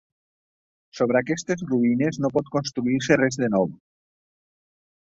Sobre aquestes ruïnes no pot construir-se res de nou.